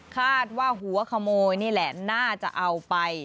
คาดว่าหัวขโมยนี่แหละน่าจะเอาไป